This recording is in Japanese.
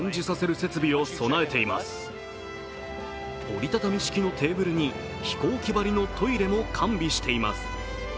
折り畳み式のテーブルに、飛行機ばりのトイレも完備しています。